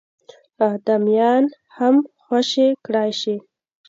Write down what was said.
اعدامیان هم خوشي کړای شي.